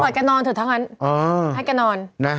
แกนอนเถอะทั้งนั้นให้แกนอน